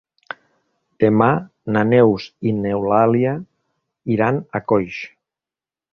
Demà na Neus i n'Eulàlia iran a Coix.